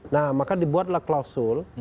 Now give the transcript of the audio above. nah maka dibuatlah klausul